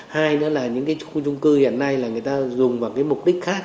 hai nữa là những cái khu trung cư hiện nay là người ta dùng vào cái mục đích khác